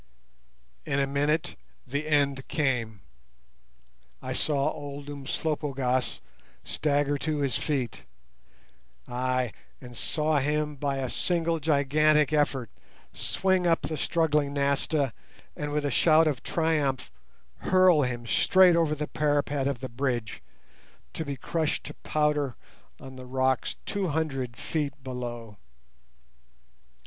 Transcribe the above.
In a minute the end came. I saw old Umslopogaas stagger to his feet—ay, and saw him by a single gigantic effort swing up the struggling Nasta and with a shout of triumph hurl him straight over the parapet of the bridge, to be crushed to powder on the rocks two hundred feet below.